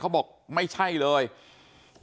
เสียชีวิตหรือเปล่าเนี่ยเขาบอกไม่ใช่เลย